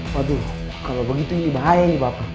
waduh kalau begitu ini bahaya ini pak